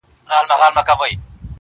o که مړ سوم نو ومنه.